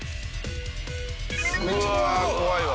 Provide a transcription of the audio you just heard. うわ怖いわ。